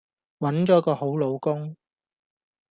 搵咗個好老公